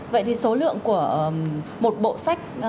vậy thì số lượng của một bộ sách